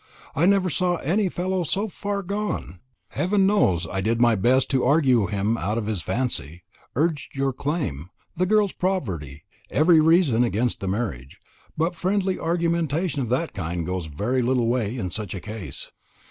I never saw any fellow so far gone. Heaven knows, I did my best to argue him out of his fancy urged your claim, the girl's poverty, every reason against the marriage; but friendly argumentation of that kind goes very little way in such a case.